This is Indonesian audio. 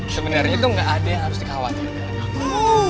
sebenernya itu gak ada yang harus dikhawatirkan